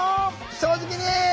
正直に！